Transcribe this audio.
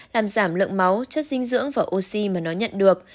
làm giảm lượng máu chất dinh dưỡng và oxy mà nó nhận được